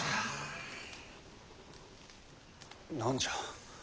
何じゃ？